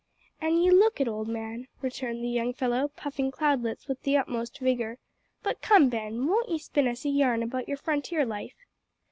"An' ye look it, old man," returned the young fellow, puffing cloudlets with the utmost vigour; "but come, Ben, won't ye spin us a yarn about your frontier life?"